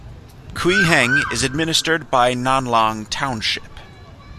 Cuiheng is administrated by Nanlang Township.